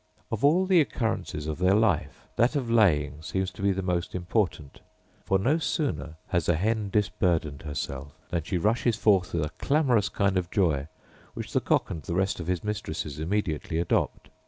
Of all the occurrences of their life that of laying seems to be the most important; for no sooner has a hen disburdened herself, than she rushes forth with a clamorous kind of joy, which the cock and the rest of his mistresses immediately adopt.